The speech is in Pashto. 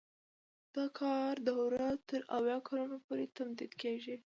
د کار دوره تر اویا کلونو پورې تمدید کیږي.